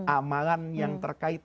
amalan yang terkait